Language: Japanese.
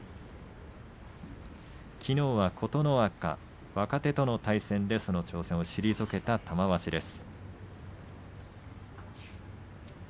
きのうは琴ノ若、若手との対戦でその挑戦を退けた玉鷲です。